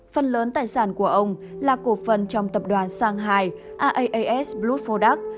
phần lớn tài sản của ông là cổ phần trong tập đoàn shanghai aas blood products